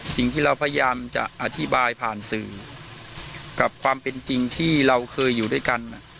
สิ่งที่เราพยายามจะอธิบายผ่านสื่อกับความเป็นจริงที่เราเคยอยู่ด้วยกัน